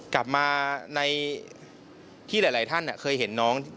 กลับมาในที่หลายท่านเคยเห็นน้อง